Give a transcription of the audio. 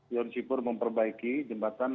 joni psipur memperbaiki jembatan